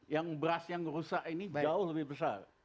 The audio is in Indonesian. yang beras yang rusak ini jauh lebih besar